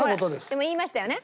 でも言いましたよね？